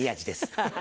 ハハハ！